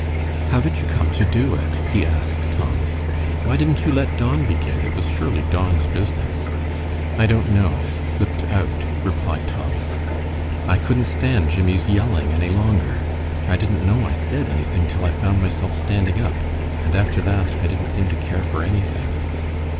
"How did you come to do it?" he asked Thomas. "Why didn't you let Don begin? It was surely Don's business." "I don't know. It slipped out," replied Thomas. "I couldn't stand Jimmie's yelling any longer. I didn't know I said anything till I found myself standing up, and after that I didn't seem to care for anything."